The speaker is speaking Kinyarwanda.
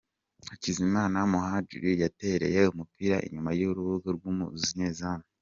Hakizimana Muhadjili yatereye umupira inyuma y'urubuga rw'umunyezamu.